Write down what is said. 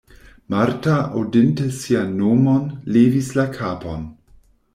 Marta, aŭdinte sian nomon, levis la kapon.